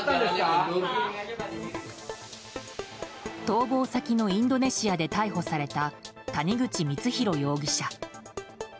逃亡先のインドネシアで逮捕された、谷口光弘容疑者。